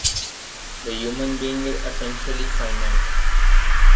The human being is essentially finite.